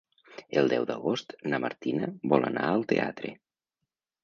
El deu d'agost na Martina vol anar al teatre.